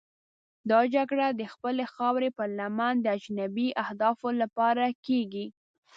دا جګړه د خپلې خاورې پر لمن د اجنبي اهدافو لپاره کېږي.